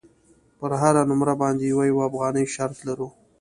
پر هره نمره باندې یوه یوه افغانۍ شرط لرو.